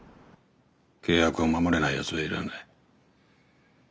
契約を守れないやつはいらない。